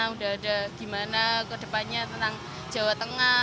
udah ada gimana kedepannya tentang jawa tengah